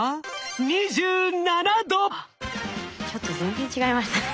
あっちょっと全然違いましたね。